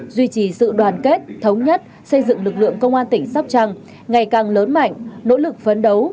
duy trì sự đoàn kết thống nhất xây dựng lực lượng công an tỉnh sóc trăng ngày càng lớn mạnh nỗ lực phấn đấu